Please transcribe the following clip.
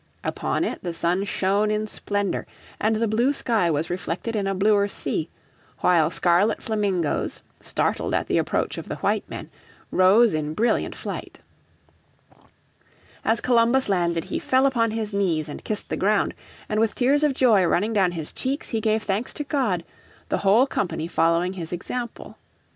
Upon it the sun shone in splendour and the blue sky was reflected in a bluer sea: while scarlet flamingoes, startled at the approach of the white men, rose in brilliant flight. As Columbus landed he fell upon his knees and kissed the ground, and with tears of joy running down his cheeks he gave thanks to God, the whole company following his example.